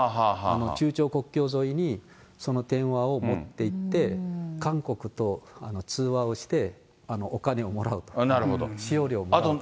中朝国境沿いに、その電話を持っていって、韓国と通話をして、お金をもらうと、使用料をもらうと。